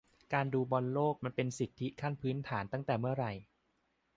การดูบอลโลกมันเป็นสิทธิขั้นพื้นฐานตั้งแต่เมื่อไหร่